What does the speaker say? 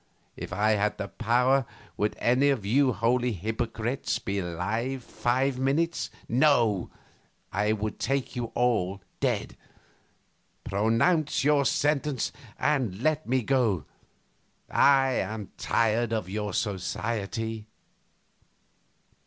If I had that power would any of you holy hypocrites be alive five minutes? No; I would strike you all dead. Pronounce your sentence and let me go; I am tired of your society."